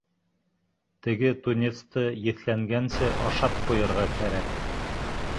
Теге тунецты еҫләнгәнсе ашап ҡуйырға кәрәк.